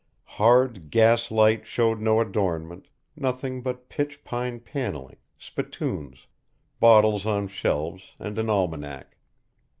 Hard gas light shewed no adornment, nothing but pitch pine panelling, spittoons, bottles on shelves and an almanac.